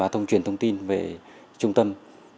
trong truyền thông tin về trung tâm